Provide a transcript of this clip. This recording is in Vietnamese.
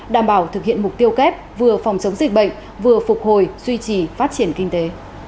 đảm bảo thực hiện mục tiêu kép vừa phòng chống dịch bệnh vừa phục hồi duy trì phát triển kinh tế